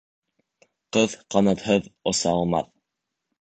Ҡыҙ ҡанатһыҙ оса алмаҫ.